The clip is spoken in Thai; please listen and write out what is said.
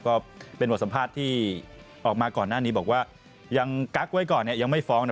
ก็เป็นบทสัมภาษณ์ที่ออกมาก่อนหน้านี้บอกว่ายังกั๊กไว้ก่อนยังไม่ฟ้อง